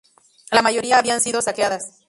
La mayoría habían sido saqueadas.